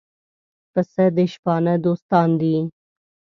پسه د شپانه دوستان دي.